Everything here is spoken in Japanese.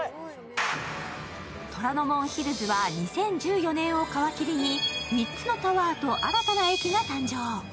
虎ノ門ヒルズは２０１４年を皮切りに、３つのタワーと新たな駅が誕生。